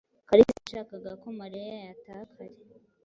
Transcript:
Kalisa yashakaga ko Mariya yataha kare.